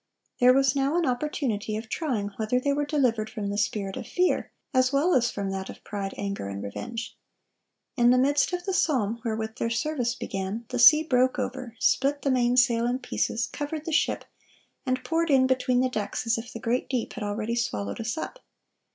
There was now an opportunity of trying whether they were delivered from the spirit of fear, as well as from that of pride, anger, and revenge. In the midst of the psalm wherewith their service began, the sea broke over, split the mainsail in pieces, covered the ship, and poured in between the decks as if the great deep had already swallowed us up.